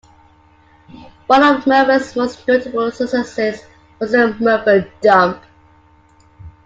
One of Murphy's most notable successes was the "Murphy Dump".